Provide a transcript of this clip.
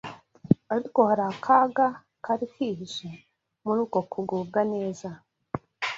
Ariko hari akaga kari kihishe muri uko kugubwa neza.